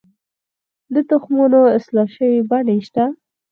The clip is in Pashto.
د تخمونو اصلاح شوې بڼې شته؟